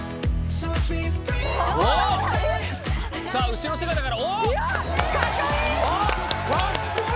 後ろ姿から。